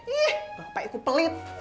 ih bapak iku pelit